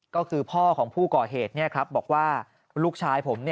ก็คือพ่อของผู้ก่อเหตุบอกว่าลูกชายผม